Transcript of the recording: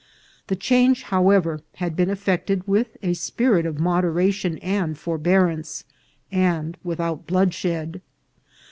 The change, however, had been effected with a spirit of moderation and forbearance, and without bloodshed.